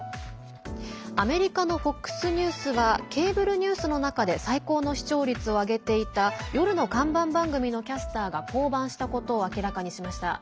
アメリカのＦＯＸニュースはケーブルニュースの中で最高の視聴率を上げていた夜の看板番組のキャスターが降板したことを明らかにしました。